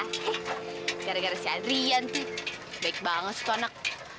eh gara gara si adrian sih baik banget sih itu anak